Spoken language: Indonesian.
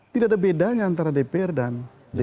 tidak ada bedanya antara dpr dan dpr